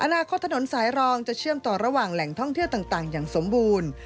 อนาคตถนนสายรองจะเชื่อมต่อระหว่างแหล่งท่องเที่ยวต่างอย่างสมบูรณ์